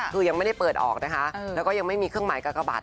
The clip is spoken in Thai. คือยังไม่ได้เปิดออกนะคะแล้วก็ยังไม่มีเครื่องหมายกากบาท